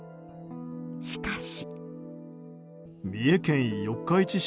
しかし。